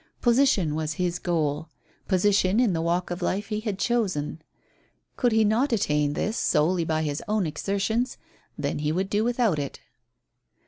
Position was his goal position in the walk of life he had chosen. Could he not attain this solely by his own exertions, then he would do without it.